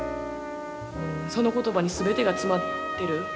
その言葉に全てが詰まってる。